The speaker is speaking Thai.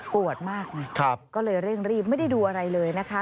ปวดมากนะครับไม่ได้ดูอะไรเลยนะคะ